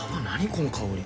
この香り。